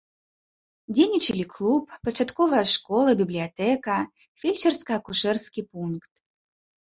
Дзейнічалі клуб, пачатковая школа, бібліятэка, фельчарска-акушэрскі пункт.